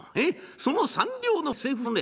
その三両の財布ね